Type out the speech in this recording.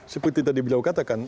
seperti tadi bilang katakan